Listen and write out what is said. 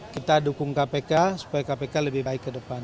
kita dukung kpk supaya kpk lebih baik ke depan